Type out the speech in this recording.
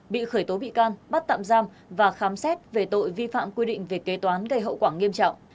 bị khởi tố bị can bắt tạm giam và khám xét về tội vi phạm quy định về kế toán gây hậu quả nghiêm trọng